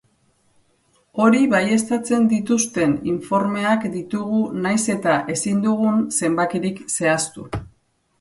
Hori baieztatzen dituzten informeak ditugu nahiz eta ezin dugun zenbakirik zehaztu.